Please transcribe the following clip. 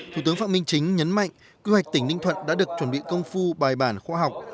thủ tướng phạm minh chính nhấn mạnh quy hoạch tỉnh ninh thuận đã được chuẩn bị công phu bài bản khoa học